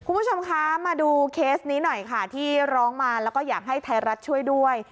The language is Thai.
คุณผู้ชมคะมาดูเคสนี้หน่อยค่ะที่ร้องมาแล้วก็อยากให้ไทยรัฐช่วยด้วย